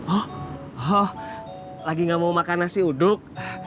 oh oh lagi nggak mau makan nasi uduk